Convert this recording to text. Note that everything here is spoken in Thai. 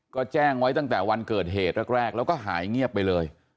ก็แจ้งไว้ตั้งแต่วันเกิดเหตุแรกแล้วก็หายเงียบไปเลย